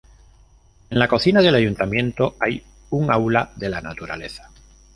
En la cocina del Ayuntamiento hay un aula de la Naturaleza.